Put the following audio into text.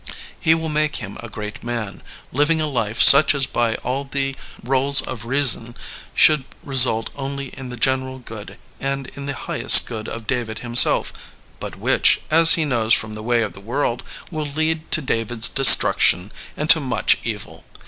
He will make him a great man, living a life such as by all the rjoles of reason should result only in the general good and in the highest good of David himself, but which, as he knows from the way of the world, will lead to David 's destruction and to much evil.